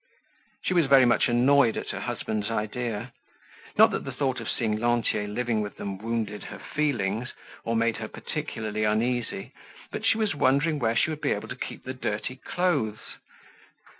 She was very much annoyed at her husband's idea; not that the thought of seeing Lantier living with them wounded her feelings, or made her particularly uneasy, but she was wondering where she would be able to keep the dirty clothes.